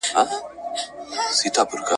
انسولین د بدن په فعالیت اغیز کوي.